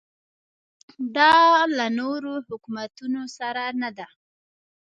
دا له نورو حکومتونو سره نه ده.